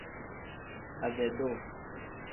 Ade-duu.